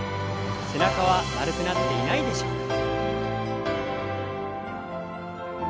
背中は丸くなっていないでしょうか？